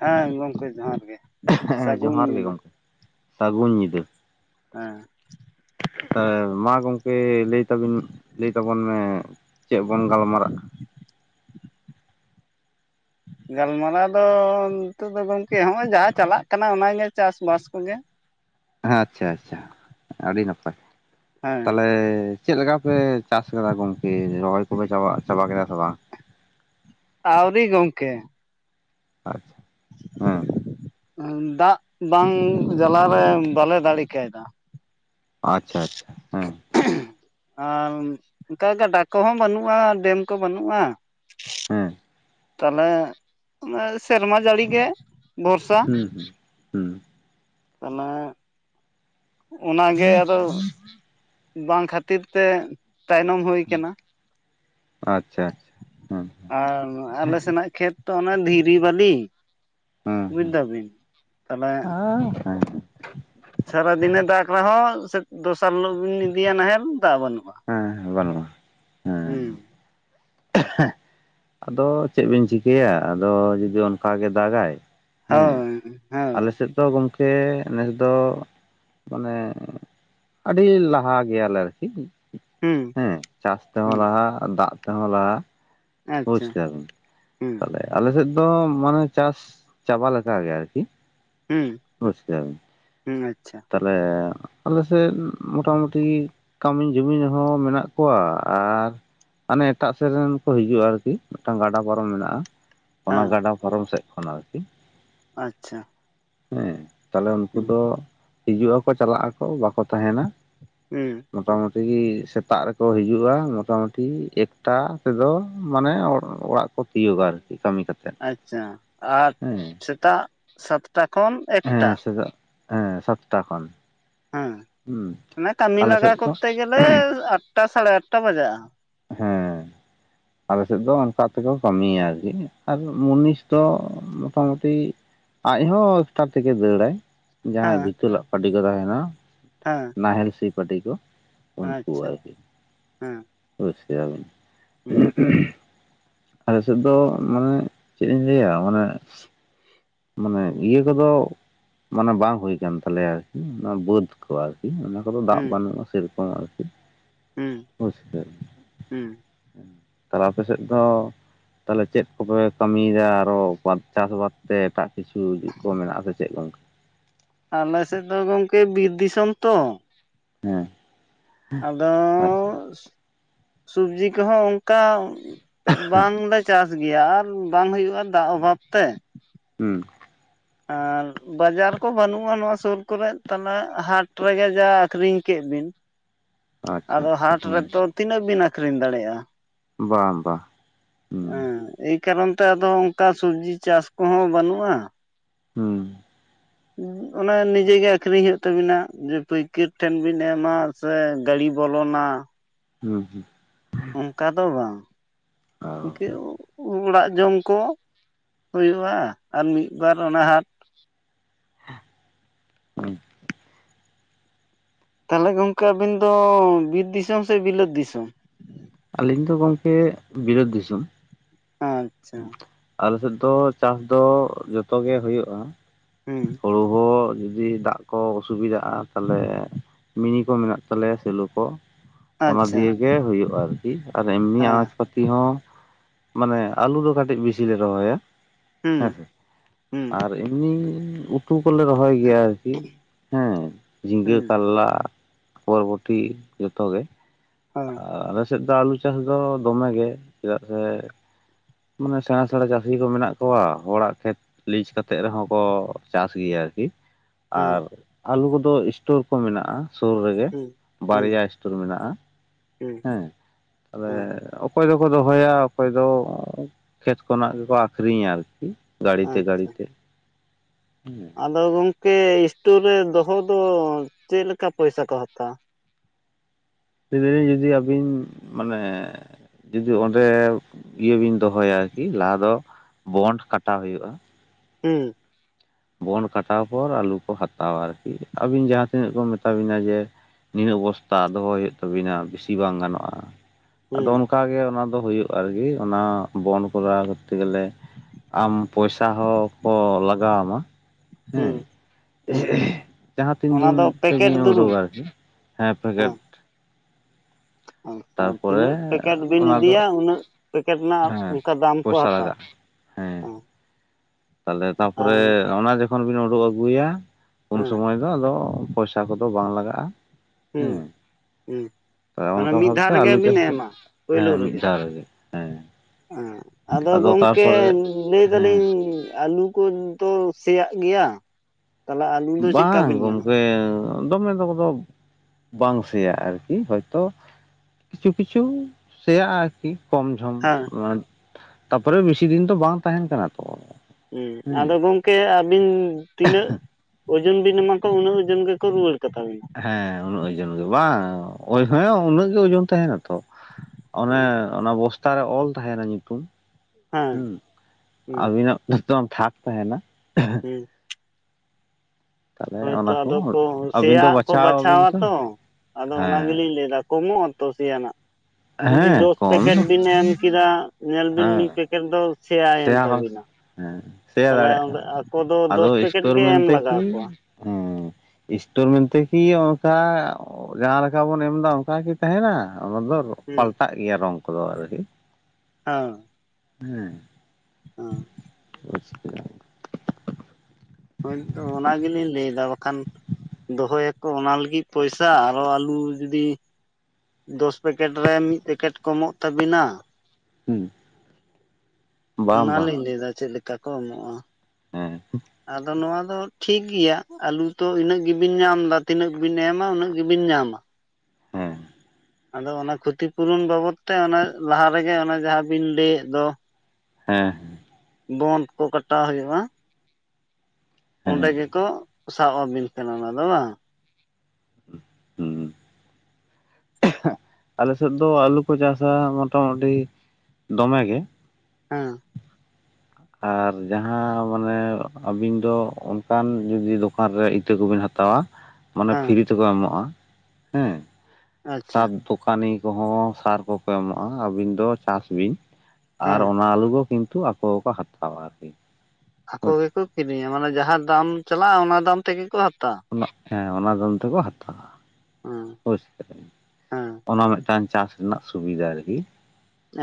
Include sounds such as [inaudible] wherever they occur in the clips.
ᱦᱮᱸ ᱜᱚᱝᱠᱮ ᱡᱚᱦᱟᱨ ᱜᱮ᱾ ᱦᱮᱸ ᱥᱟᱹᱜᱩᱱ ᱡᱚᱦᱟᱨ ᱜᱮ ᱧᱤᱫᱟᱹ ᱜᱚᱢᱠᱮ ᱥᱟᱹᱜᱩᱱ ᱧᱤᱫᱟᱹ᱾ ᱦᱮᱸ᱾ ᱢᱟ ᱜᱚᱢᱠᱮ ᱞᱟᱹᱭ ᱛᱟᱵᱤᱱ ᱞᱟᱹᱭ ᱛᱟᱵᱚᱱ ᱢᱮ ᱪᱮᱫ ᱵᱚᱱ ᱜᱟᱞᱢᱟᱨᱟᱜᱼᱟ? ᱜᱟᱞᱢᱟᱨᱟᱣ ᱫᱚ ᱱᱤᱛᱚᱜ ᱫᱚ ᱜᱚᱢᱠᱮ ᱦᱚᱸᱜᱼᱚᱭ ᱡᱟᱦᱟᱸ ᱪᱟᱞᱟᱜ ᱠᱟᱱᱟ ᱚᱱᱟᱜᱮ ᱪᱟᱥᱵᱟᱥ ᱠᱚᱜᱮ ᱟᱪᱪᱷᱟ ᱟᱪᱪᱷᱟ ᱟᱹᱰᱤ ᱱᱟᱯᱟᱭ ᱦᱮᱸ ᱛᱟᱦᱚᱞᱮ ᱪᱮᱫ ᱞᱮᱠᱟ ᱯᱮ ᱪᱟᱥ ᱟᱠᱟᱫᱟ ᱜᱚᱝᱠᱮ ᱨᱚᱦᱚᱭ ᱠᱚᱯᱮ ᱪᱟᱵᱟ ᱪᱟᱵᱟ ᱠᱮᱫᱟ ᱥᱮ ᱵᱟᱝ? ᱟᱹᱣᱨᱤ ᱜᱚᱢᱠᱮ ᱟᱪᱪᱷᱟ᱾ ᱦᱮᱸ ᱫᱟᱜ ᱵᱟᱝ ᱡᱟᱞᱟᱮ ᱵᱟᱞᱮ ᱫᱟᱲᱮ ᱠᱟᱭᱫᱟ᱾ ᱟᱪᱪᱷᱟ ᱟᱪᱪᱷᱟ ᱦᱮᱸ᱾ ᱟᱨ ᱚᱱᱠᱟ ᱜᱟᱰᱟ ᱠᱚᱦᱚᱸ ᱵᱟᱹᱱᱩᱜᱼᱟ ᱰᱮᱢ ᱠᱚ ᱵᱟᱹᱱᱩᱜᱼᱟ᱾ ᱦᱮᱸ ᱛᱟᱦᱚᱞᱮ ᱥᱮᱨᱢᱟ ᱡᱟᱹᱲᱤ ᱜᱮ ᱵᱷᱚᱨᱥᱟ ᱦᱩᱸ ᱦᱩᱸ ᱦᱩᱸ᱾ ᱛᱟᱞᱦᱮ ᱚᱱᱟᱜᱮ ᱟᱫᱚ ᱵᱟᱝ ᱠᱷᱟᱹᱛᱤᱨ ᱛᱮ ᱛᱟᱭᱱᱚᱢ ᱦᱩᱭ ᱠᱟᱱᱟ ᱟᱪᱪᱷᱟ ᱟᱪᱪᱷᱟ ᱦᱮᱸ ᱟᱨ ᱟᱞᱮ ᱥᱮᱱᱟᱜ ᱠᱷᱮᱛ ᱛᱚ ᱚᱱᱮ ᱫᱷᱤᱨᱤ ᱵᱟᱹᱞᱤ ᱦᱮᱸ ᱵᱩᱡᱽ ᱦᱮᱸ ᱫᱟ ᱵᱤᱱ ᱛᱟᱦᱚᱞᱮ ᱦᱮᱸ ᱥᱟᱨᱟᱫᱤᱱᱮ ᱫᱟᱜ ᱨᱮᱦᱚᱸ ᱥᱮ ᱫᱚᱥᱟᱨ ᱦᱤᱞᱳᱜ ᱵᱤᱱ ᱤᱫᱤᱭᱟ ᱱᱟᱦᱮᱞ ᱫᱟᱜ ᱵᱟᱹᱱᱩᱜᱼᱟ᱾ ᱦᱮᱸ ᱵᱟᱹᱱᱩᱜᱼᱟ ᱦᱮᱸ᱾ ᱦᱩᱸ ᱟᱫᱚ ᱪᱮᱫ ᱵᱮᱤᱱ ᱪᱤᱠᱟᱹᱭᱟ ᱟᱫᱚ ᱡᱩᱫᱤ ᱚᱱᱠᱟᱜ ᱜᱮ ᱫᱟᱜᱟᱭ ᱦᱮᱸ ᱦᱳᱭ ᱦᱳᱭ ᱟᱞᱮ ᱥᱮᱫ ᱫᱚ ᱜᱚᱢᱠᱮ ᱱᱮᱥ ᱫᱚ ᱢᱟᱱᱮ ᱟᱹᱰᱤ ᱞᱟᱦᱟ ᱜᱮᱭᱟᱞᱮ ᱟᱨᱠᱤ ᱦᱩᱸ ᱦᱮᱸ ᱪᱟᱥ ᱛᱮᱦᱚᱸ ᱦᱩᱸ ᱞᱟᱦᱟ ᱟᱨ ᱫᱟᱜ ᱛᱮᱦᱚᱸ ᱞᱟᱦᱟ ᱵᱩᱡᱽ ᱟᱪᱪᱷᱟ ᱠᱮᱟᱵᱤᱱ ᱦᱩᱸ ᱛᱟᱦᱞᱮ ᱟᱞᱮᱥᱮᱫ ᱫᱚ ᱢᱟᱱᱮ ᱪᱟᱥ ᱪᱟᱵᱟ ᱞᱮᱠᱟ ᱜᱮ ᱟᱨᱠᱤ ᱦᱩᱸ, ᱵᱩᱡᱽ ᱠᱮᱟᱵᱤᱱ, ᱦᱩᱸ ᱟᱪᱪᱷᱟ᱾ ᱛᱟᱦᱚᱞᱮ ᱟᱞᱮᱥᱮᱫ ᱢᱚᱴᱟᱢᱩᱴᱤ ᱠᱟᱹᱢᱤ ᱡᱩᱢᱤᱱ ᱦᱚᱸ ᱢᱮᱱᱟᱜ ᱠᱚᱣᱟ ᱟᱨ ᱢᱟᱱᱮ ᱮᱴᱟᱜ ᱥᱮᱫ ᱨᱮᱱ ᱠᱚ ᱦᱤᱡᱩᱜᱼᱟ ᱟᱨᱠᱤ ᱢᱤᱫᱴᱟᱝ ᱜᱟᱰᱟ ᱯᱟᱨᱚᱢ ᱢᱮᱱᱟᱜᱼᱟ᱾ ᱚᱱᱟ ᱦᱮᱸ ᱜᱟᱰᱟ ᱯᱷᱟᱨᱚᱢ ᱥᱮᱫ ᱠᱷᱚᱱ ᱟᱨᱠᱤ ᱟᱪᱪᱷᱟ᱾ ᱦᱮᱸ ᱛᱟᱦᱞᱮ ᱩᱱᱠᱩ ᱦᱩᱸ ᱫᱚ ᱦᱤᱡᱩᱜ ᱟᱠᱚ ᱪᱟᱞᱟᱜ ᱟᱠᱚ ᱵᱟᱠᱚ ᱛᱟᱦᱮᱱᱟ᱾ ᱦᱮᱸ᱾ ᱢᱚᱴᱟᱢᱩᱴᱤ ᱥᱮᱛᱟᱜ ᱨᱮᱠᱚ ᱦᱤᱡᱩᱜᱼᱟ ᱢᱚᱴᱟᱢᱩᱴᱤ ᱮᱠᱴᱟ ᱛᱮᱫᱚ ᱢᱟᱱᱮ ᱚᱲᱟᱜ ᱛᱤᱭᱩᱜᱟ ᱟᱨᱠᱤ ᱠᱟᱹᱢᱤ ᱠᱟᱛᱮ ᱟᱪᱪᱷᱟ ᱟᱨ ᱥᱮᱛᱟᱜ ᱥᱟᱛᱴᱟ ᱠᱷᱚᱱ ᱦᱮᱸ ᱮᱠᱴᱟ ᱥᱮᱛᱟᱜ ᱦᱮᱸ ᱥᱟᱛᱴᱟ ᱠᱷᱚᱱ ᱦᱮᱸ ᱦᱩᱸ ᱢᱟᱱᱮ ᱠᱟᱹᱢᱤ ᱟᱞᱮ ᱞᱟᱜᱟ ᱥᱮᱫ ᱫᱚ ᱠᱚᱨᱛᱮ ᱜᱮᱞᱮ ᱟᱴᱴᱟ ᱥᱟᱲᱮ ᱟᱴᱴᱟ ᱵᱟᱡᱟᱜᱼᱟ᱾ ᱦᱮᱸ [unintelligible] ᱟᱞᱮ ᱥᱮᱫ ᱫᱚ ᱚᱱᱠᱟ ᱛᱮᱠᱚ ᱠᱟᱹᱢᱤᱭᱟ ᱟᱨᱠᱤ, ᱟᱨ ᱢᱩᱱᱤᱥ ᱫᱚ ᱢᱚᱴᱟᱢᱩᱴᱤ ᱟᱡᱦᱚᱸ ᱮᱥᱠᱟᱨ ᱛᱮᱜᱮ ᱫᱟᱹᱲᱟᱭ ᱡᱟᱦᱟᱸᱭ ᱦᱮᱸ ᱵᱷᱤᱛᱟᱹ ᱞᱟᱜ ᱯᱟᱹᱴᱤ ᱠᱚ ᱛᱟᱦᱮᱱᱟ ᱾ ᱦᱮᱸ ᱾ ᱱᱟᱦᱮᱞ ᱥᱤ ᱯᱟᱴᱤ ᱠᱚ ᱾ ᱟᱪᱪᱷᱟ, ᱦᱮᱸ ᱾ ᱵᱩᱡ ᱠᱮᱜ-ᱟ ᱵᱤᱱ [unintelligible] ᱾ ᱟᱞᱮ ᱥᱮᱫ ᱫᱚ ᱢᱟᱱᱮ ᱪᱮᱫ ᱤᱧ ᱞᱟᱹᱭᱟ ᱢᱟᱱᱮ ᱢᱟᱱᱮ ᱤᱭᱟᱹ ᱠᱚᱫᱚ ᱢᱟᱱᱮ ᱵᱟᱝ ᱦᱩᱭ ᱠᱟᱱ ᱛᱟᱞᱮᱭᱟ ᱟᱨᱠᱤ ᱚᱱᱟ ᱵᱟᱹᱫᱽ ᱠᱚ ᱟᱨᱠᱤ ᱾ ᱠᱚᱫᱚ ᱫᱟᱜ ᱦᱩᱸ ᱵᱟᱹᱱᱩᱜᱼᱟ ᱥᱮ ᱨᱚᱠᱚᱢ ᱟᱨᱠᱤ ᱦᱩᱸ ᱵᱩᱡᱽ ᱠᱮᱫᱟ ᱵᱤᱱ ᱦᱩᱸ [unintelligible] ᱾ ᱛᱟᱦᱚᱞᱮ ᱟᱯᱮ ᱥᱮᱫ ᱫᱚ ᱛᱟᱦᱞᱮ ᱪᱮᱫ ᱠᱚᱯᱮ ᱠᱟᱹᱢᱤᱭ ᱮᱫᱟ ᱟᱨᱚ ᱪᱟᱥ ᱵᱟᱫ? ᱛᱮ ᱮᱴᱟᱜ ᱠᱤᱪᱷᱩ ᱪᱮᱫ ᱠᱚ ᱢᱮᱱᱟᱜ-ᱟ ᱥᱮ ᱪᱮᱫ ᱜᱚᱝᱠᱮ? ᱟᱞᱮ ᱥᱮᱫ ᱫᱚ ᱜᱚᱝᱠᱮ ᱵᱤᱨ ᱫᱤᱥᱚᱢ ᱛᱚ ᱾ ᱦᱮᱸ ᱾ ᱟᱫᱚ ᱥᱚᱵᱽᱡᱤ ᱠᱚᱦᱚᱸ ᱚᱱᱠᱟ ᱵᱟᱝᱞᱮ ᱪᱟᱥ ᱜᱮᱭᱟ, ᱟᱨ ᱵᱟᱝ ᱦᱩᱭᱩᱜᱼᱟ ᱫᱟᱜ ᱚᱵᱷᱟᱵ ᱛᱮ ᱾ ᱦᱩᱸ ᱾ ᱟᱨ ᱵᱟᱡᱟᱨ ᱠᱚ ᱵᱟᱹᱱᱩᱜᱼᱟ, ᱱᱚᱣᱟ ᱥᱩᱨ ᱠᱚᱨᱮ ᱛᱟᱦᱚᱞᱮ ᱦᱟᱴ ᱨᱮᱜᱮ ᱡᱟ ᱟᱠᱷᱨᱤᱧ ᱠᱮᱫ ᱵᱤᱱ ᱾ ᱟᱪᱪᱷᱟ ᱟᱫᱚ ᱟᱪᱪᱷᱟ ᱦᱟᱴ ᱦᱮᱸ ᱨᱮᱛᱚ ᱛᱤᱱᱟᱹᱜ ᱵᱤᱱ ᱟᱠᱷᱨᱤᱧ ᱫᱟᱲᱮᱜᱼᱟ? ᱵᱟᱝ ᱵᱟᱝ ᱦᱩᱸ ᱮᱸ ᱾ ᱮᱭ ᱠᱟᱨᱚᱱ ᱛᱮ ᱟᱫᱚ ᱚᱱᱠᱟ ᱥᱚᱵᱽᱡᱤ ᱪᱟᱥ ᱠᱚᱦᱚᱸ ᱵᱟᱱᱩᱜᱼᱟ ᱾ ᱦᱩᱸ ᱾ ᱚᱱᱮ ᱱᱤᱡᱮ ᱜᱮ ᱟᱠᱷᱨᱤᱧ ᱦᱩᱭᱩᱜ ᱛᱟᱵᱤᱱᱟ ᱡᱮ ᱯᱟᱹᱭᱠᱟᱹᱨ ᱴᱷᱮᱱ ᱵᱤᱱ ᱮᱢᱟ ᱥᱮ ᱜᱟᱹᱲᱤ ᱵᱚᱞᱚᱱᱟ ᱾ ᱦᱩᱸ ᱦᱩᱸ ᱾ ᱚᱱᱠᱟ ᱫᱚ ᱵᱟᱝ ᱚ ᱤᱱᱠᱟᱹ ᱚᱲᱟᱜ ᱡᱚᱢ ᱠᱚ ᱾ ᱦᱩᱭᱩᱜᱼᱟ, ᱟᱨ ᱢᱤᱫ ᱵᱟᱨ ᱚᱱᱟ ᱦᱟᱴ [unintelligible] ᱚ ᱾ ᱛᱟᱦᱚᱞᱮ ᱜᱚᱝᱠᱮ ᱟᱵᱤᱱ ᱫᱚ ᱵᱤᱨ ᱫᱤᱥᱚᱢ ᱥᱮ ᱵᱤᱞᱟᱹᱛ ᱫᱤᱥᱚᱢ? ᱟᱞᱤᱧ ᱫᱚ ᱜᱚᱝᱠᱮ ᱵᱤᱞᱟᱹᱛ ᱫᱤᱥᱚᱢ ᱟᱪᱪᱷᱟ ᱾ ᱟᱞᱮ ᱥᱮᱫ ᱫᱚ ᱪᱟᱥ ᱫᱚ ᱡᱚᱛᱚ ᱜᱮ ᱦᱳᱭᱳᱜᱼᱟ ᱦᱩᱸ ᱾ ᱦᱳᱲᱳ ᱦᱚᱸ ᱡᱩᱫᱤ ᱫᱟᱜ ᱠᱚ ᱚᱥᱩᱵᱤᱫᱟᱜᱼᱟ ᱛᱟᱦᱚᱞᱮ ᱢᱤᱱᱤ ᱠᱚ ᱢᱮᱱᱟᱜ ᱛᱟᱞᱮᱭᱟ ᱥᱮᱞᱚ ᱠᱚ, ᱚᱱᱟ ᱟᱪᱪᱷᱟ ᱫᱤᱭᱮ ᱜᱮ ᱦᱩᱭᱩᱜᱼᱟ ᱟᱨᱠᱤ, ᱟᱨ ᱮᱢᱱᱤ ᱦᱮᱸ ᱟᱸᱡᱽ ᱯᱟᱛ ᱛᱤ ᱦᱚᱸ ᱢᱟᱱᱮ ᱟᱹᱞᱩ ᱫᱚ ᱠᱟᱹᱴᱤᱡ ᱵᱤᱥᱤ ᱞᱮ ᱨᱚᱦᱚᱭᱟ ᱾ ᱦᱩᱸ ᱾ ᱟᱨ ᱮᱢᱱᱤ ᱩᱛᱩ ᱠᱚᱞᱮ ᱨᱚᱦᱚ ᱦᱚᱭ ᱜᱮᱭᱟ ᱟᱨᱠᱤ ᱦᱮᱸ ᱡᱷᱤᱸᱜᱟᱹ, ᱦᱩᱸ ᱠᱟᱞᱞᱟ, ᱵᱚᱨᱵᱚᱴᱤ ᱡᱷᱚᱛᱚ ᱜᱮ ᱦᱮᱸ ᱾ ᱟᱨ ᱟᱞᱮ ᱟᱞᱮ ᱥᱮᱫ ᱫᱚ ᱟᱹᱞᱩ ᱪᱟᱥ ᱫᱚ ᱫᱚᱢᱮ ᱜᱮ ᱪᱮᱫᱟᱜ ᱥᱮ ᱢᱟᱱᱮ ᱥᱮᱬᱟ ᱥᱮᱬᱟ ᱪᱟᱹᱥᱤ ᱠᱚ ᱢᱮᱱᱟᱜ ᱠᱚᱣᱟ ᱦᱚᱲᱟᱜ ᱠᱷᱮᱛ ᱞᱤᱡ ᱠᱟᱛᱮᱜ ᱨᱮᱦᱚᱸ ᱠᱚ ᱪᱟᱥ ᱜᱮᱭᱟ ᱟᱨᱠᱤ ᱾ ᱦᱮᱸ ᱟᱨ ᱟᱞᱩ ᱠᱚᱫᱚ ᱮᱥᱴᱳᱨ ᱠᱚ ᱢᱮᱱᱟᱜᱼᱟ ᱥᱩᱨ ᱨᱮᱜᱮ, ᱦᱩᱸ ᱦᱩᱸ ᱵᱟᱨᱭᱟ ᱮᱥᱴᱳᱨ ᱢᱮᱱᱟᱜᱼᱟ ᱾ ᱦᱩᱸ ᱦᱮᱸ, ᱛᱟᱦᱚᱞᱮ ᱦᱮᱸ ᱚᱠᱚᱭ ᱫᱚᱠᱚ ᱫᱚᱦᱚᱭᱟ ᱚᱠᱚᱭ ᱫᱚ ᱠᱷᱮᱛ ᱠᱷᱚᱱᱟᱜ ᱜᱮᱠᱚ ᱟᱠᱷᱨᱤᱧᱟ ᱟᱨᱠᱤ ᱜᱟᱹᱲᱤ ᱛᱮ ᱜᱟᱹᱲᱤ ᱟᱪᱪᱷᱟ ᱛᱮ ᱦᱮᱸ ᱾ ᱟᱫᱚ ᱜᱚᱝᱠᱮ ᱥᱴᱳᱨ ᱨᱮ ᱫᱚᱦᱚ ᱫᱚ ᱪᱮᱫ ᱞᱮᱠᱟ ᱯᱚᱭᱥᱟ ᱠᱚ ᱦᱟᱛᱟᱣᱟ ᱾ ᱞᱮ ᱫᱟᱞᱤᱧ ᱡᱩᱫᱤ ᱟᱹᱵᱤᱱ ᱢᱟᱱᱮ ᱼᱼ ᱡᱩᱫᱤ ᱚᱸᱰᱮ ᱤᱭᱟᱹ ᱵᱤᱱ ᱫᱚᱦᱚᱭᱟ ᱠᱤ ᱞᱟᱦᱟ ᱫᱚ ᱵᱚᱱᱰ ᱠᱟᱴᱟᱣ ᱦᱩᱭᱩᱜᱼᱟ ᱾ ᱦᱩᱸ ᱾ ᱵᱳᱱᱰ ᱠᱟᱴᱟᱣ ᱯᱚᱨ ᱟᱞᱩ ᱠᱚ ᱦᱟᱛᱟᱣᱟ ᱟᱨᱠᱤ ᱟᱹᱵᱤᱱ ᱡᱟᱦᱟᱸ ᱛᱤᱱᱟᱹᱜ ᱠᱚ ᱢᱮᱛᱟᱣ ᱵᱤᱱᱟ ᱡᱮ ᱱᱤᱱᱟᱹᱜ ᱚᱵᱚᱥᱛᱟ ᱫᱚᱦᱚᱭ ᱦᱩᱭᱩᱜ ᱛᱟᱵᱤᱱᱟ ᱵᱤᱥᱤ ᱵᱟᱝ ᱜᱟᱱᱚᱜᱼᱟ ᱟᱫᱚ ᱦᱩᱸ ᱚᱱᱠᱟ ᱜᱮ ᱚᱱᱟ ᱫᱚ ᱦᱩᱭᱩᱜᱼᱟ ᱟᱨᱠᱤ ᱚᱱᱟ ᱵᱳᱱᱰ ᱠᱚᱨᱟᱣ ᱠᱟᱛᱮ ᱜᱮᱞᱮ ᱟᱢ ᱯᱚᱭᱥᱟ ᱦᱚ ᱠᱚ ᱞᱟᱜᱟᱣᱟᱢᱟ᱾ ᱦᱩᱸ ᱦᱮᱸ ᱦᱩᱸ ᱡᱟᱦᱟᱸ ᱢᱟᱦᱟᱸ ᱛᱤᱱ ᱚᱱᱟ ᱫᱤᱱ ᱫᱚ ᱯᱮᱠᱮᱴ ᱛᱮᱵᱤᱱ ᱫᱩᱨᱩᱢ ᱩᱰᱩᱠᱟ ᱟᱨᱠᱤ ᱦᱮᱸ [inaudible] ᱟᱪᱪᱷᱟ ᱛᱤᱱᱟᱹᱜ ᱛᱟᱨᱯᱚᱨᱮ ᱯᱮᱠᱮᱴ ᱵᱤᱱ ᱚᱱᱟ ᱫᱚ ᱤᱫᱤᱭᱟ ᱩᱱᱟᱹᱜ ᱯᱮᱠᱮᱴ ᱨᱮᱱᱟᱜ ᱦᱮᱸ ᱚᱱᱠᱟ ᱫᱟᱢ ᱠᱚ ᱯᱚᱭᱥᱟ ᱦᱟᱛᱟᱣᱟ᱾ ᱞᱟᱜᱟᱜᱼᱟ ᱦᱮᱸ ᱚᱸ ᱾ ᱛᱟᱦᱚᱞᱮ ᱛᱟᱯᱚᱨᱮ ᱚᱱᱟ ᱡᱚᱠᱷᱚᱱ ᱵᱤᱱ ᱩᱰᱩᱠ ᱟᱹᱜᱩᱭᱟ ᱩᱱ ᱦᱮᱸ ᱥᱚᱢᱚᱭ ᱫᱚ ᱟᱫᱚ ᱯᱚᱭᱥᱟ ᱠᱚᱫᱚ ᱵᱟᱝ ᱞᱟᱜᱟᱜᱼᱟ᱾ ᱦᱩᱸ ᱦᱮᱸ ᱦᱩᱸ ᱛᱟᱦᱮ ᱚᱱᱟ ᱚᱱᱠᱟ ᱢᱤᱫ ᱫᱷᱟᱣ ᱵᱷᱟᱵᱽᱛᱮ ᱨᱮᱜᱮ ᱟᱞᱩ ᱵᱤᱱ ᱪᱟᱥ ᱫᱚ ᱮᱢᱟ ᱯᱳᱭᱞᱳ ᱟᱸ ᱢᱤᱫ ᱫᱷᱟᱣ ᱨᱮᱜᱮ᱾ ᱦᱮᱸ ᱾ ᱦᱮᱸ ᱟᱫᱚ ᱜᱚᱝᱠᱮ ᱞᱟᱹᱭ ᱦᱮᱸ ᱫᱟᱹᱞᱤᱧ ᱟᱹᱞᱩ ᱠᱩᱫᱽ ᱫᱚ ᱥᱮᱸᱭᱟᱜ ᱜᱮᱭᱟ᱾ ᱛᱟᱦᱚᱞᱮ ᱟᱹᱞᱩ ᱫᱚ ᱪᱮᱫᱠᱟ ᱵᱟᱝ ᱵᱤᱱ ᱧᱟᱢᱟ ᱜᱚᱝᱠᱮ ᱫᱚᱢᱮ ᱫᱚᱠᱚ ᱫᱚ ᱵᱟᱝ ᱥᱮᱭᱟᱜ ᱟᱨᱠᱤ ᱦᱳᱭ ᱛᱚ ᱠᱤᱪᱷᱩ ᱠᱤᱪᱷᱩ ᱥᱮᱭᱟᱜᱼᱟ᱾ ᱠᱤ ᱠᱚᱢ ᱡᱷᱚᱢ ᱦᱮᱸ ᱛᱟᱯᱚᱨᱮ ᱵᱤᱥᱤ ᱫᱤᱱ ᱫᱚ ᱵᱟᱝ ᱛᱟᱦᱮᱱ ᱠᱟᱱᱟ ᱛᱚ᱾ ᱦᱩᱸ ᱦᱮᱸ ᱟᱫᱚ ᱜᱚᱝᱠᱮ ᱟᱵᱤᱱ ᱛᱤᱱᱟᱹᱜ ᱚ ᱡᱚᱱ ᱵᱤᱱ ᱮᱢᱟᱠᱚᱣᱟ ᱩᱱᱟᱹᱜ ᱚᱡᱚᱱ ᱜᱮᱠᱚ ᱨᱩᱣᱟᱹᱲ ᱠᱟᱛᱟᱵᱤᱱᱟ᱾ ᱦᱮᱸ ᱩᱱᱟᱹᱜ ᱚᱡᱚᱱ ᱜᱮ ᱵᱟᱝ ᱳᱭ ᱦᱳᱭ ᱩᱱᱟᱹᱜ ᱜᱮ ᱟᱡᱚᱱ ᱛᱟᱦᱮᱱᱟ ᱛᱚ᱾ ᱚᱱᱮ ᱚᱱᱟ ᱵᱚᱥᱛᱟ ᱨᱮ ᱚᱞ ᱛᱟᱦᱮᱱᱟ ᱧᱩᱛᱩᱢ᱾ ᱦᱮᱸ ᱦᱩᱸ ᱦᱮᱸ ᱟᱵᱤᱱᱟᱜ ᱩᱫᱷᱟᱢ ᱴᱷᱟᱠ ᱛᱟᱦᱮᱱᱟ᱾ ᱦᱮᱸ ᱛᱟᱦᱚᱞᱮ ᱦᱳᱭ ᱛᱚ ᱚᱱᱟ ᱟᱫᱚ ᱠᱚ ᱟᱹᱵᱤᱱ ᱫᱚ ᱥᱮᱭᱟᱣᱟᱜ ᱠᱚ ᱵᱟᱪᱷᱟᱣ ᱵᱟᱪᱷᱟᱣᱟ ᱟᱹᱵᱤᱱ ᱛᱚ ᱚᱱᱟ ᱦᱮᱸ ᱜᱮᱞᱤᱧ ᱞᱟᱹᱭ ᱫᱟ᱾ ᱠᱚᱢᱚᱜᱼᱟ ᱛᱚ ᱥᱮᱭᱟᱱᱟᱜ ᱡᱩᱫᱤ ᱦᱮᱸ ᱫᱚᱥ ᱠᱚᱢ ᱯᱮᱠᱮᱴ ᱫᱚ ᱵᱤᱱ ᱮᱢ ᱠᱮᱫᱟ ᱧᱮᱞ ᱵᱤᱱ ᱢᱤᱫ ᱦᱮᱸ ᱯᱮᱠᱮᱴ ᱫᱚ ᱥᱮᱭᱟᱭᱮᱱ ᱥᱮᱭᱟ ᱦᱚᱸ ᱛᱟᱵᱤᱱᱟ᱾ ᱦᱮᱸ ᱥᱮᱭᱟ ᱛᱟᱦᱚᱞᱮ ᱫᱟᱲᱮᱭᱟᱜᱼᱟ ᱟᱠᱚ ᱫᱚ ᱫᱚᱥ ᱟᱫᱚ ᱯᱮᱠᱮᱴ ᱥᱴᱳᱨ ᱜᱮ ᱮᱢ ᱞᱟᱜᱟᱣ ᱟᱠᱚᱣᱟ᱾ ᱤᱥᱴᱳᱨ ᱢᱮᱱᱛᱮ ᱠᱤ ᱚᱝᱠᱟ ᱡᱟᱦᱟᱸ ᱞᱮᱠᱟ ᱵᱚᱱ ᱮᱢᱫᱟ ᱚᱱᱠᱟ ᱜᱮ ᱛᱟᱦᱮᱱᱟ ᱚᱱᱟ ᱫᱚ ᱦᱮᱸ ᱯᱟᱞᱴᱟᱜ ᱜᱮᱭᱟ ᱨᱚᱝ ᱠᱚᱫᱚ ᱟᱨᱠᱤ ᱟᱶ ᱾ ᱦᱮᱸ ᱾ ᱦᱟᱸ ᱾ ᱠᱮᱫᱟᱢ ᱦᱳᱭ ᱛᱚ ᱚᱱᱟ ᱜᱮᱞᱤᱧ ᱞᱟᱹᱭᱫᱟ ᱵᱟᱠᱷᱟᱱ ᱫᱚᱦᱚᱭᱟᱠᱚ ᱚᱱᱟ ᱞᱟᱹᱜᱤᱫ ᱯᱚᱭᱥᱟ ᱟᱨᱚ ᱟᱞᱩ ᱡᱩᱫᱤ ᱫᱚᱥ ᱯᱮᱠᱮᱴ ᱨᱮ ᱢᱤᱫ ᱯᱮᱠᱮᱴ ᱠᱚᱢᱚᱜ ᱛᱟᱵᱤᱱᱟ᱾ ᱦᱩᱸ ᱾ ᱚᱱᱟᱞᱤᱧ ᱞᱟᱹᱭᱫᱟ ᱪᱮᱫ ᱞᱮᱠᱟ ᱠᱚ ᱮᱢᱚᱜᱼᱟ ᱦᱮᱸ ᱟᱫᱚ ᱱᱚᱣᱟ ᱫᱚ ᱴᱷᱤᱠ ᱜᱮᱭᱟ ᱟᱹᱞᱩ ᱛᱚ ᱤᱱᱟᱹᱜ ᱜᱮᱵᱤᱱ ᱧᱟᱢ ᱫᱟ ᱛᱤᱱᱟᱹᱜ ᱜᱮᱵᱤᱱ ᱮᱢᱟ ᱩᱱᱟᱹᱜ ᱜᱮᱵᱤᱱ ᱧᱟᱢᱟ᱾ ᱦᱮᱸ, ᱟᱫᱚ ᱚᱱᱟ ᱠᱷᱩᱛᱤ ᱯᱩᱨᱩᱱ ᱵᱟᱵᱚᱛ ᱛᱮ ᱚᱱᱟ ᱞᱟᱦᱟ ᱨᱮᱜᱮ ᱚᱱᱟ ᱡᱟᱦᱟᱸ ᱵᱤᱱ ᱞᱟᱹᱭᱮᱫ ᱫᱚ ᱦᱮᱸ, ᱵᱚᱱᱰ ᱠᱚ ᱠᱟᱴᱟᱣ ᱦᱩᱭᱩᱜ-ᱟ᱾ ᱚᱸᱰᱮ ᱦᱮᱸ ᱜᱮᱠᱚ ᱥᱟᱵ ᱟᱹᱵᱤᱱ ᱠᱟᱱᱟ ᱚᱱᱟ ᱫᱚ ᱵᱟᱝ? ᱦᱩᱸ [unintelligible] ᱟᱞᱮ ᱥᱮᱫ ᱫᱚ ᱟᱹᱞᱩ ᱠᱚ ᱪᱟᱥᱟ ᱢᱚᱴᱟ-ᱢᱩᱴᱤ ᱫᱚᱢᱮ ᱜᱮ᱾ ᱦᱮᱸ ᱟᱨ ᱡᱟᱦᱟᱸ ᱢᱟᱱᱮ ᱟᱹᱵᱤᱱ ᱫᱚ ᱚᱱᱠᱟᱱ ᱡᱩᱫᱤ ᱫᱚᱠᱟᱱ ᱨᱮ ᱤᱛᱟᱹ ᱠᱚᱵᱤᱱ ᱦᱟ ᱛᱟᱣᱟ ᱢᱟᱱᱮ ᱦᱮᱸ ᱯᱷᱤᱨᱤ ᱛᱮᱠᱚ ᱮᱢᱚᱜ-ᱟ ᱦᱮ᱾ᱸ ᱟᱪᱪᱷᱟ ᱥᱟᱵᱽ ᱫᱚᱠᱟᱱᱤ ᱠᱚᱦᱚᱸ ᱥᱟᱨ ᱠᱚᱠᱚ ᱮᱢᱚᱜᱼᱟ ᱟᱹᱵᱤᱱ ᱫᱚ ᱪᱟᱥ ᱵᱤᱱ᱾ ᱟᱨ ᱦᱮᱸ ᱚᱱᱟ ᱟᱞᱩ ᱫᱚ ᱠᱤᱱᱛᱩ ᱟᱠᱚ ᱜᱮᱠᱚ ᱦᱟᱛᱟᱣᱟ ᱟᱨᱠᱤ᱾ ᱟᱠᱚ ᱜᱮᱠᱚ ᱠᱤᱨᱤᱧᱟ ᱢᱟᱱᱮ ᱡᱟᱦᱟᱸ ᱫᱟᱢ ᱪᱟᱞᱟᱜ-ᱟ ᱚᱱᱟ ᱫᱟᱢ ᱛᱮᱜᱮ ᱠᱚ ᱦᱟᱛᱟᱣᱟ᱾ [inaudible] ᱮ ᱚᱱᱟ ᱫᱟᱢ ᱛᱮᱠᱚ ᱦᱟᱛᱟᱣᱟ᱾ ᱦᱮᱸ ᱦᱩᱥ ᱠᱟᱫᱟᱹᱧ ᱦᱮᱸ ᱚᱱᱟ ᱢᱤᱫᱴᱟᱝ ᱪᱟᱥ ᱨᱮᱱᱟᱜ ᱥᱩᱵᱤᱫᱷᱟ ᱟᱨᱠᱤ᱾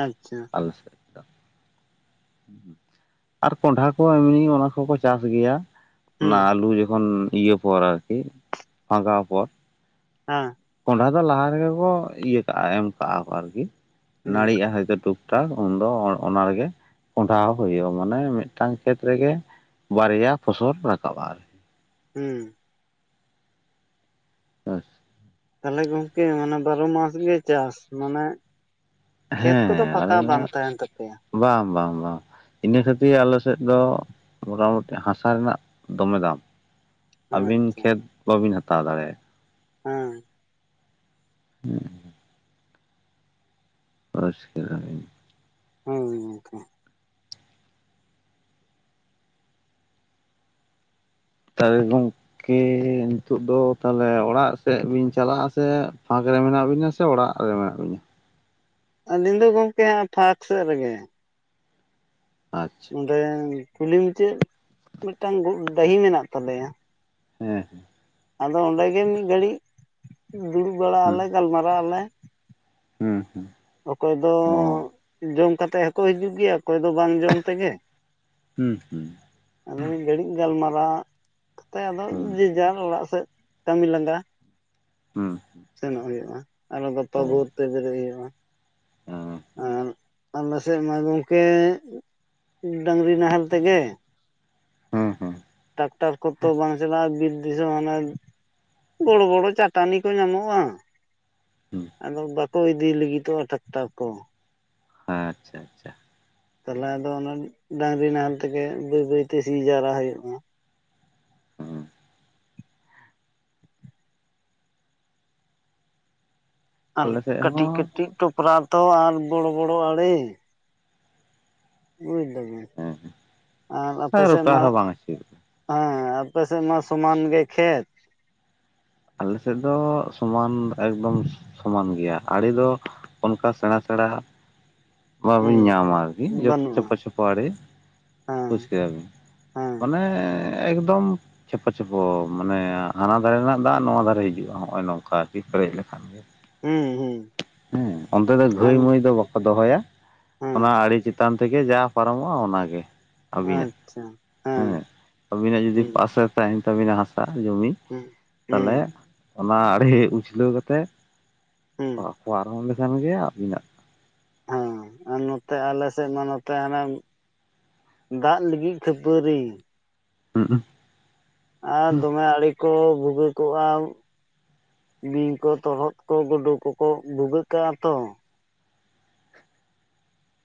ᱟᱪᱪᱷᱟ ᱟᱞᱮ ᱥᱮᱫ ᱫᱚ ᱟᱨ ᱠᱚᱸᱰᱦᱟ ᱠᱚ ᱮᱢᱱᱤ ᱚᱱᱟ ᱠᱚᱠᱚ ᱪᱟᱥ ᱜᱮᱭᱟ᱾ ᱦᱩᱸ ᱚᱱᱟ ᱟᱞᱩ ᱡᱚᱠᱷᱚᱱ ᱤᱭᱟᱹ ᱯᱚᱨ ᱟᱨᱠᱤ ᱯᱷᱟᱜᱟᱣ ᱯᱚᱨ ᱦᱮᱸ ᱠᱚᱸᱰᱦᱟ ᱫᱚ ᱞᱟᱦᱟ ᱨᱮᱜᱮ ᱠᱚ ᱤᱭᱟᱹ ᱠᱟᱜ-ᱟ ᱮᱢ ᱠᱟᱜ-ᱟ ᱠᱚ ᱟᱨᱠᱤ ᱦᱩᱸ ᱱᱟᱹᱲᱤᱜ-ᱟ ᱦᱚᱭᱛᱚ ᱴᱩᱠ ᱴᱟᱠ ᱩᱱᱫᱚ ᱚᱱ ᱚᱱᱟ ᱨᱮᱜᱮ ᱠᱚᱸᱰᱦᱟ ᱦᱩᱭᱩᱜ-ᱟ ᱢᱟᱱᱮ ᱢᱤᱫᱴᱟᱝ ᱠᱷᱮᱛ ᱨᱮᱜᱮ ᱵᱟᱨᱭᱟ ᱯᱷᱚᱥᱚᱞ ᱨᱟᱠᱟᱵ-ᱟ ᱟᱨ ᱦᱩᱸ [inaudible] ᱛᱟᱦᱚᱞᱮ ᱜᱚᱝᱠᱮ ᱢᱟᱱᱮ ᱵᱟᱨᱚ ᱢᱟᱥ ᱜᱮ ᱪᱟᱥ ᱢᱟᱱᱮ ᱠᱷᱮᱛ ᱦᱮᱸ ᱠᱚᱫᱚ ᱟᱞᱮ ᱯᱷᱟᱠᱟ ᱵᱟᱝ ᱛᱟᱦᱮᱱ ᱛᱟᱯᱮᱭᱟ? ᱵᱟᱝ ᱵᱟᱝ ᱵᱟᱝ᱾ ᱤᱱᱟᱹ ᱠᱷᱟᱹᱛᱤᱨ ᱟᱞᱮ ᱥᱮᱫ ᱫᱚ ᱢᱚᱴ-ᱢᱩᱴᱤ ᱦᱟᱥᱟ ᱨᱮᱱᱟᱜ ᱫᱚᱢᱮ ᱫᱟᱢ᱾ ᱟᱹᱵᱤᱱ ᱟᱪᱪᱷᱟ ᱠᱷᱮᱛ ᱵᱟᱹᱵᱤᱱ ᱦᱟᱛᱟᱣ ᱫᱟᱲᱮᱭᱟᱜ-ᱟ᱾ ᱦᱮᱸ ᱦᱩᱸ [inaudible] ᱦᱮᱸᱻ ᱜᱚᱝᱠᱮ [inaudible] ᱠᱮ ᱱᱤᱛᱳᱜ ᱫᱚ ᱛᱟᱦᱚᱞᱮ ᱚᱲᱟᱜ ᱥᱮᱫ ᱵᱤᱱ ᱪᱟᱞᱟᱜ-ᱟ ᱥᱮ ᱯᱷᱟᱸᱠ ᱨᱮ ᱢᱮᱱᱟᱜ ᱵᱤᱱᱟ ᱥᱮ ᱚᱲᱟᱜ ᱨᱮ ᱢᱮᱱᱟᱜ ᱵᱤᱱᱟ? ᱟᱹᱞᱤᱧ ᱫᱚ ᱜᱚᱝᱠᱮ ᱦᱟᱸᱜ ᱴᱷᱟᱠ ᱥᱮᱫ ᱨᱮᱜᱮ᱾ ᱟᱪ ᱚᱸᱰᱮ ᱠᱩᱞᱦᱤ ᱢᱩᱪᱟᱹᱫ ᱢᱤᱫᱴᱟᱝ ᱰᱟᱹᱦᱤ ᱢᱮᱱᱟᱜ ᱛᱟᱞᱮᱭᱟ᱾ ᱦᱮᱸ ᱦᱮᱸ ᱟᱫᱚ ᱚᱸᱰᱮ ᱜᱮ ᱢᱤᱫ ᱜᱷᱟᱹᱲᱤᱡ ᱫᱩᱲᱩᱵ ᱵᱟᱲᱟᱜ ᱟᱞᱮ ᱜᱟᱞ ᱢᱟᱨᱟᱜ ᱟᱞᱮ᱾ ᱦᱩᱸ ᱦᱩᱸ ᱚᱠᱚᱭ ᱫᱚ ᱡᱚᱢ ᱠᱟᱛᱮᱫ ᱦᱚᱸᱠᱚ ᱦᱤᱡᱩᱜ ᱜᱮᱭᱟ ᱚᱠᱚᱭ ᱫᱚ ᱵᱟᱝ ᱡᱚᱢ ᱛᱮᱜᱮ ᱦᱩᱸ ᱦᱩᱸ ᱟᱫᱚ ᱢᱤᱫ ᱜᱷᱟᱹᱲᱤᱡ ᱜᱟᱞ ᱢᱟᱨᱟᱜ ᱠᱟᱛᱮ ᱟᱫᱚ ᱦᱩᱸ ᱡᱮ ᱡᱟᱨ ᱚᱲᱟᱜ ᱥᱮᱫ ᱠᱟᱹᱢᱤ ᱞᱟᱸᱜᱟ ᱦᱩᱸ ᱦᱩᱸ ᱥᱮᱱᱚᱜ ᱦᱩᱭᱩᱜ-ᱟ ᱟᱨᱚ ᱜᱚᱛᱚ ᱵᱷᱚᱨ ᱛᱮ ᱵᱮᱨᱮᱫ ᱦᱩᱭᱩᱜ-ᱟ᱾ ᱦᱮᱸ ᱟᱨ ᱟᱞᱮ ᱥᱮᱫ ᱢᱟ ᱜᱚᱝᱠᱮ ᱰᱟᱝᱨᱤ ᱱᱟᱦᱮᱞ ᱛᱮᱜᱮ ᱦᱩᱸ ᱦᱩᱸ ᱴᱟᱠᱴᱟᱨ ᱠᱚᱛᱚ ᱵᱟᱝ ᱪᱟᱞᱟᱜ-ᱟ ᱵᱤᱫ ᱫᱤᱥᱚᱢ ᱟᱱᱮᱪ ᱵᱚᱲᱚ ᱵᱚᱲᱚ ᱪᱟᱴᱟᱱᱤ ᱠᱚ ᱧᱟᱢᱚᱜ-ᱟ᱾ ᱦᱮᱸ ᱟᱫᱚ ᱵᱟᱠᱚ ᱤᱫᱤ ᱞᱟᱹᱜᱤᱫᱚᱜ-ᱟ ᱴᱟᱠᱴᱟᱨ ᱠᱚ᱾ ᱦᱮᱸ ᱟᱪᱪᱷᱟ ᱟᱪᱪᱷᱟ ᱛᱟᱦᱚᱞᱮ ᱟᱫᱚ ᱚᱱᱟ ᱰᱟᱝᱨᱤ ᱱᱟᱦᱮᱞ ᱛᱮᱜᱮ ᱵᱟᱹᱭ ᱵᱟᱹᱭ ᱛᱮ ᱥᱤ ᱡᱟᱣᱨᱟ ᱦᱩᱭᱩᱜ-ᱟ᱾ ᱦᱮᱸ ᱟᱨ ᱟᱞᱮ ᱥᱮᱫ ᱠᱟᱹᱴᱤᱡ ᱦᱚᱸ ᱠᱟᱹᱴᱤᱡ ᱴᱚᱯᱨᱟ ᱛᱚ ᱟᱨ ᱵᱚᱲᱚ ᱵᱚᱲᱚ ᱟᱹᱲᱮ ᱵᱩᱡᱽ ᱫᱟᱹᱵᱤᱱ ᱦᱮᱸ ᱟᱨ ᱟᱯᱮ ᱥᱮᱫ ᱨᱚᱴᱟᱨ ᱢᱟ ᱦᱚᱸ ᱵᱟᱝ ᱟᱹᱪᱩᱨ ᱦᱮᱸ ᱟᱯᱮ ᱥᱮᱫ ᱢᱟ ᱥᱚᱢᱟᱱ ᱜᱮ ᱠᱷᱮᱛ᱾ ᱟᱞᱮ ᱥᱮᱫ ᱫᱚ ᱥᱚᱢᱟᱱ ᱮᱠᱫᱚᱢ ᱥᱚᱢᱟᱱ ᱜᱮᱭᱟ ᱟᱲᱮ ᱫᱚ ᱚᱱᱠᱟ ᱥᱮᱬᱟ ᱥᱮᱬᱟ ᱦᱩᱸ ᱵᱟᱵᱤᱱ ᱧᱟᱢᱟ ᱟᱨᱠᱤ ᱡᱚᱛᱚ ᱵᱟᱹᱱᱩᱜᱼᱟ ᱪᱚᱯᱟ ᱪᱚᱯᱚ ᱟᱲᱮ᱾ ᱦᱮᱸ ᱵᱩᱡ ᱠᱮᱫᱟᱵᱤᱱ ᱦᱮᱸ ᱢᱟᱱᱮ ᱮᱠᱫᱚᱢ ᱪᱷᱮᱯᱚ ᱪᱷᱮᱯᱚ ᱢᱟᱱᱮ ᱦᱟᱱᱟ ᱫᱷᱟᱨᱮ ᱨᱮᱱᱟᱜ ᱫᱟᱜ ᱱᱚᱣᱟ ᱫᱷᱟᱨᱮ ᱦᱤᱡᱩᱜᱼᱟ ᱱᱚᱜᱼᱚᱭ ᱱᱚᱝᱠᱟ ᱟᱨᱠᱤ ᱯᱮᱨᱮᱡ ᱞᱮᱠᱷᱟᱱ ᱜᱮ ᱾ ᱦᱩᱸ ᱦᱩᱸ ᱦᱮᱸ ᱚᱱᱛᱮ ᱫᱚ ᱜᱟᱹᱭ ᱟᱢ ᱢᱟᱹᱭ ᱫᱚ ᱵᱟᱠᱚ ᱫᱚᱦᱚᱭᱟ ᱦᱮᱸ ᱚᱱᱟ ᱟᱹᱰᱤ ᱪᱟ ᱪᱮᱛᱟᱱ ᱛᱮᱜᱮ ᱡᱟ ᱯᱟᱨᱚᱢᱚᱜᱼᱟ ᱚᱱᱟᱜᱮ ᱾ ᱟᱪᱪᱷᱟ ᱦᱮᱸ ᱟᱵᱤᱱᱟᱜ ᱡᱩᱫᱤ ᱦᱩᱸ ᱯᱟᱥᱮ ᱛᱟᱦᱮᱱ ᱛᱟᱵᱤᱱᱟ ᱦᱟᱥᱟ ᱡᱩᱚᱢᱤ, ᱦᱩᱸ ᱦᱩᱸ ᱛᱟᱦᱞᱮ ᱚᱱᱟ ᱟᱲᱮ ᱩᱪᱷᱞᱟᱹᱣ ᱠᱟᱛᱮᱫ ᱦᱩᱸ ᱯᱟᱨᱦᱚᱢ ᱞᱮᱠᱷᱟᱱ ᱜᱮ ᱟᱹᱵᱤᱱᱟᱜ ᱾ ᱦᱮᱸ ᱟᱨ ᱱᱚᱛᱮ ᱟᱞᱮᱥᱮᱫ ᱢᱟ ᱱᱚᱛᱮ ᱦᱟᱱᱮ ᱫᱟᱜ ᱞᱟᱹᱜᱤᱫ ᱠᱷᱟᱹᱯᱟᱹᱨᱤ᱾ ᱦᱩ ᱟᱨ ᱫᱚᱢᱮ ᱟᱲᱮ ᱠᱚ ᱵᱷᱩᱜᱤ ᱠᱚᱜᱼᱟ ᱾ ᱵᱤᱧ ᱠᱚ ᱛᱚᱨᱚᱫ ᱠᱚ ᱜᱩᱰᱩ ᱠᱚᱠᱚ ᱵᱷᱩᱜᱟᱹᱜ ᱠᱟᱜᱼᱟ ᱛᱚ ᱾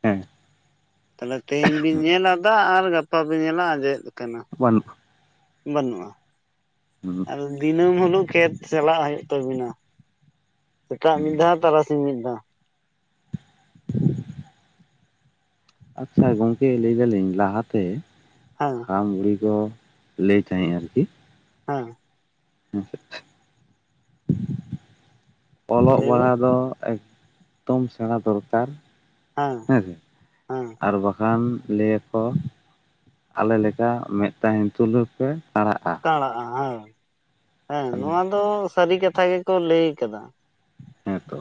ᱦᱮᱸ ᱛᱟᱦᱚᱞᱮ ᱵᱤᱱ ᱧᱮᱞ ᱫᱟᱜ ᱟᱨ ᱜᱟᱯᱟ ᱵᱤᱱ ᱧᱮᱞᱟ ᱟᱸᱡᱮᱫ ᱟᱠᱟᱱᱟ ᱾ [unintelligible] ᱵᱟᱹᱱᱩᱜᱼᱟ ᱾ ᱦᱩᱸ ᱟ ᱫᱤᱱᱟᱹᱢ ᱦᱤᱞᱳᱜ ᱠᱷᱮᱛ ᱪᱟᱞᱟᱜ ᱦᱩᱭᱩᱜ ᱛᱟᱵᱤᱱᱟ ᱾ ᱥᱮᱛᱟᱜ ᱢᱤᱫ ᱫᱷᱟᱣ ᱛᱟᱨᱟᱥᱤᱧ ᱢᱤᱫ ᱫᱷᱟᱣ ᱾ [unintelligible] ᱟᱪᱪᱷᱟ ᱜᱚᱝᱠᱮ ᱞᱟᱹᱭ ᱫᱟᱹᱞᱤᱧ ᱞᱟᱦᱟᱛᱮ ᱦᱮᱸ ᱦᱟᱲᱟᱢ ᱵᱩᱲᱦᱤ ᱠᱚ ᱞᱟᱹᱭ ᱛᱟᱦᱮᱸᱮᱫ ᱟᱨᱠᱤ ᱦᱮᱸ ᱚᱞᱚᱜ ᱞᱟᱹᱭ ᱵᱤᱱ ᱯᱟᱲᱦᱟᱜ ᱫᱚ ᱮᱠᱫᱚᱢ ᱥᱮᱬᱟ ᱫᱚᱨᱠᱟᱨ ᱦᱮᱸ ᱦᱮᱸᱥᱮ ᱦᱮᱸ ᱟᱨ ᱵᱟᱝᱠᱷᱟᱱ ᱜᱟᱱ ᱞᱟᱹᱭᱟᱠᱚ ᱟᱞᱮ ᱞᱮᱠᱟ ᱢᱮᱫ ᱛᱟᱦᱮᱱ ᱛᱩᱞᱟᱹᱣ ᱯᱮ ᱠᱟᱲᱟᱜᱼᱟ ᱾ ᱦᱮᱸ ᱦᱮᱸ ᱛᱟᱦᱚᱞᱮ ᱱᱚᱣᱟ ᱫᱚ ᱥᱟᱹᱨᱤ ᱠᱟᱛᱷᱟ ᱜᱮᱠᱚ ᱞᱟᱹᱭ ᱟᱠᱟᱫᱟ ᱾ ᱦᱮᱸᱛᱚ ᱾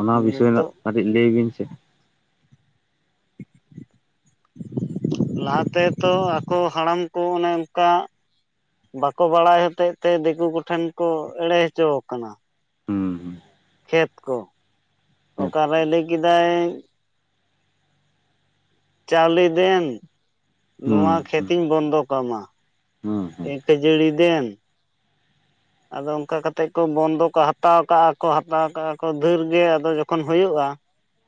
ᱚᱱᱟ ᱵᱤᱥᱚᱭ ᱨᱮᱱᱟᱜ ᱱᱤᱛᱚᱜ ᱠᱟᱹᱴᱤᱡ ᱞᱟᱹᱭ ᱵᱤᱱ ᱥᱮ? ᱞᱟᱦᱟᱛᱮ ᱛᱚ ᱟᱠᱚ ᱦᱟᱲᱟᱢ ᱠᱚ ᱚᱱᱮ ᱚᱝᱠᱟ ᱵᱟᱠᱚ ᱵᱟᱲᱟᱭ ᱦᱚᱛᱮᱡ ᱛᱮ ᱫᱤᱠᱩ ᱠᱚᱴᱷᱮᱱ ᱠᱚ ᱮᱲᱮ ᱦᱚᱪᱚ ᱠᱟᱱᱟ ᱾ ᱦᱩᱸ ᱦᱩᱸ᱾ ᱠᱷᱮᱛ ᱠᱚ ᱦᱮᱸ ᱚᱠᱟᱨᱮ ᱞᱟᱹᱭ ᱠᱮᱫᱟᱭ ᱪᱟᱣᱞᱮ ᱫᱮᱱ ᱱᱚᱣᱟ ᱦᱩᱸ ᱠᱷᱮᱛ ᱦᱩᱸ ᱛᱤᱧ ᱵᱚᱱᱫᱚ ᱠᱟᱢᱟ ᱦᱩᱸ ᱦᱩᱸ ᱠᱷᱟᱹᱡᱟᱹᱲᱤ ᱫᱮᱱ ᱟᱫᱚ ᱚᱱᱠᱟ ᱠᱟ ᱠᱟᱛᱮᱫ ᱠᱚ ᱵᱚᱱᱫᱚ ᱠᱟ ᱦᱟᱛᱟᱣ ᱠᱟᱜᱼᱟ ᱠᱚ ᱦᱟᱛᱟᱣ ᱠᱚ ᱫᱷᱮᱨ ᱜᱮ ᱟᱫᱚ ᱡᱚᱠᱷᱚᱱ ᱦᱚᱭᱳᱜ-ᱟ,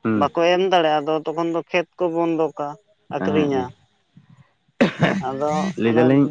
ᱦᱩᱸ ᱵᱟᱠᱚ ᱮᱢ ᱫᱟᱲᱮᱭᱟᱜᱼᱟ ᱟᱫᱚ ᱛᱚᱠᱷᱚᱱ ᱫᱚ ᱠᱷᱮᱛ ᱠᱚ ᱵᱚᱱᱫᱼᱟ ᱦᱩᱸ ᱟᱠᱷᱨᱤᱧᱼᱟ ᱦᱮᱸ ᱾ ᱟᱫᱚ ᱞᱟᱹᱭ ᱚᱱᱮ ᱫᱟᱞᱤᱧ